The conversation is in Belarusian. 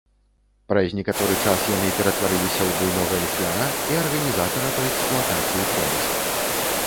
Праз некаторы час яны ператварыліся ў буйнога ліхвяра і арганізатара па эксплуатацыі промыслаў.